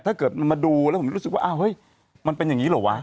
ถ้าเกิดมันมาดูแล้วผมรู้สึกว่าอ้าวเฮ้ยมันเป็นอย่างนี้เหรอวะ